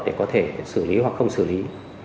để có thể xử lý hoặc không xử lý